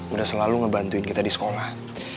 udah selalu ngebantuin kita di sekolah